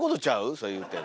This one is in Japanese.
それ言うてんの。